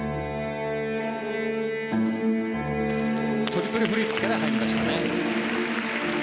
トリプルフリップから入りましたね。